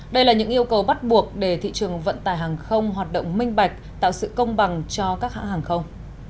đây là những yêu cầu bắt buộc để thị trường vận tải hàng không hoạt động minh bạch tạo sự công bằng cho các hãng hàng không